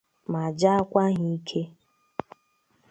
ma jaakwa ha ike.